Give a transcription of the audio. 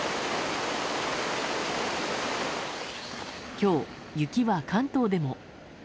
今日、雪は関東でも。